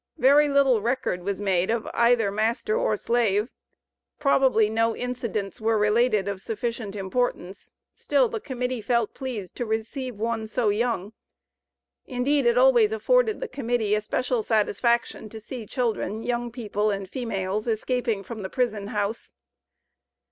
Very little record was made of either master or slave. Probably no incidents were related of sufficient importance, still the Committee felt pleased to receive one so young. Indeed, it always afforded the Committee especial satisfaction to see children, young people, and females escaping from the prison house.